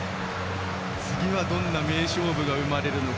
次はどんな名勝負が生まれるのか。